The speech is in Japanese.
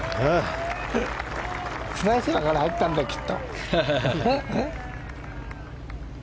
スライスだから入ったんだよ、きっと。